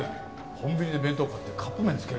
コンビニで弁当買ってカップ麺付けられるな。